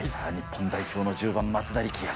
さあ、日本代表の１０番松田力也。